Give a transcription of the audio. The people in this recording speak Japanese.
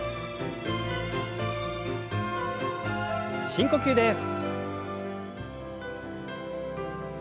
深呼吸です。